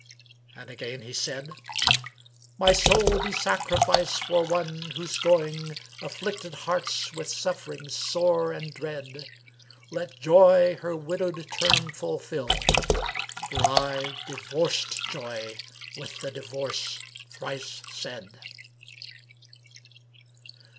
And again he said, "My soul be sacrifice for one, whose going * Afflicted hearts with sufferings sore and dread: Let joy her widowed term[FN#326] fulfil, for I * Divorced joy with the divorce thrice said."